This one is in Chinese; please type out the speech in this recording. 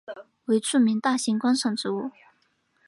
为著名大型观赏植物。